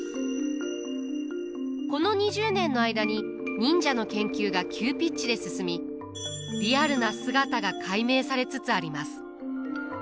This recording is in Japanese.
この２０年の間に忍者の研究が急ピッチで進みリアルな姿が解明されつつあります。